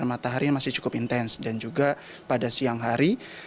mataharinya masih cukup intens dan juga pada siang hari